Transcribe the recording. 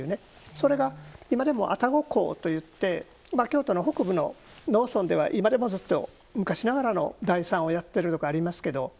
それが今でも愛宕請といって京都の北部の農村では今でもずっと昔ながらの代参をやっているところがありますけど